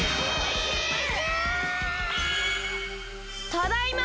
ただいま！